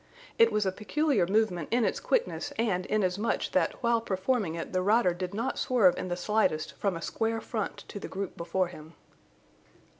It was a peculiar movement in its quickness and inasmuch that while performing it the rider did not swerve in the slightest from a square front to the group before him.